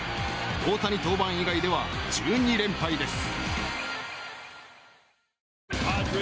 大谷登板以外では１２連敗です。